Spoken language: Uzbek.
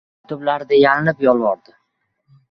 Maktublarida yalinib-yolvordi.